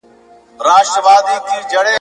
څوک به تودې کړي سړې جونګړي `